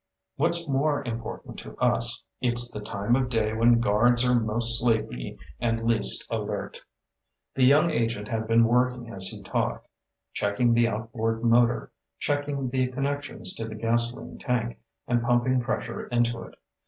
What's more important to us, it's the time of day when guards are most sleepy and least alert." The young agent had been working as he talked, checking the outboard motor, checking the connections to the gasoline tank, and pumping pressure into it.